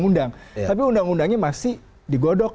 untuk kemampuan pengadilan